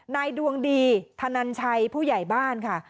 นายดวงดีธนันชัยผู้ใหญ่บ้านค่ะ